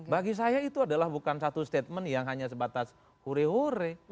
bagi saya itu adalah bukan satu statement yang hanya sebatas hure hure